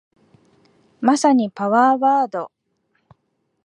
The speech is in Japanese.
まさにパワーワード